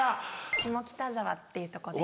下北沢っていうとこで。